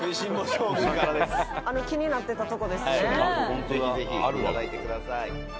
「ぜひぜひ頂いてください」